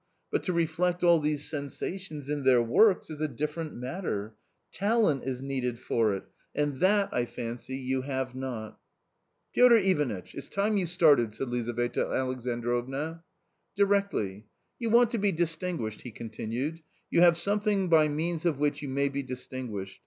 But to reflect all these sensations in their works — is a different matter ; talent is needed for it ; and that, I fancy, you have not." " Piotr Ivanitch ! it's time you started," said Lizaveta Alexandrovna. " Directly. You want to be distinguished ?" he con tinued, " you have something by means of which you may be distinguished.